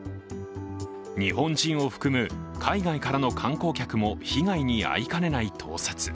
日本人を含む海外からの観光客も被害に遭いかねない盗撮。